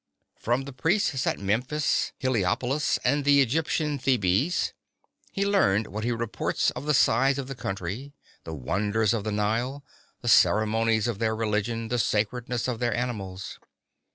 From the priests at Memphis, Heliopolis, and the Egyptian Thebes he learned what he reports of the size of the country, the wonders of the Nile, the ceremonies of their religion, the sacredness of their animals.